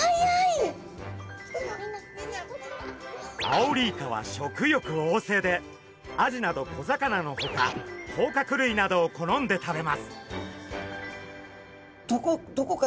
アオリイカは食欲おうせいでアジなど小魚のほかこうかく類などを好んで食べます。